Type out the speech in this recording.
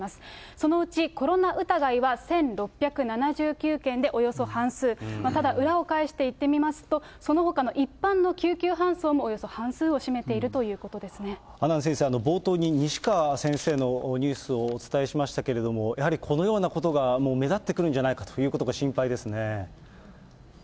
そのうちコロナ疑いは１６７９件で、およそ半数、ただ、裏を返していってみますと、そのほかの一般の救急搬送もおよそ半数を占めているということで阿南先生、冒頭に西川先生のニュースをお伝えしましたけれども、やはり、このようなことが目立ってくるんじゃないかということが心配ですね。